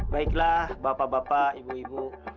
baiklah bapak bapak ibu ibu